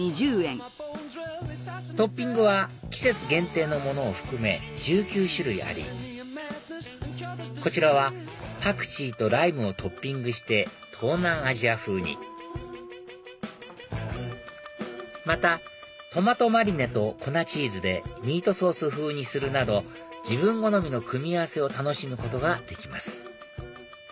トッピングは季節限定のものを含め１９種類ありこちらはパクチーとライムをトッピングして東南アジア風にまたトマトマリネと粉チーズでミートソース風にするなど自分好みの組み合わせを楽しむことができます